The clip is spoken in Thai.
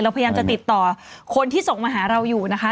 พยายามจะติดต่อคนที่ส่งมาหาเราอยู่นะคะ